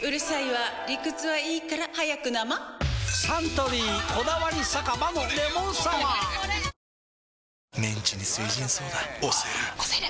サントリー「こだわり酒場のレモンサワー」推せる！！